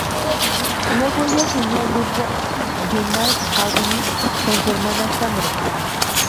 Luego ella se unió al grupo United Harmony con su hermana Cameron.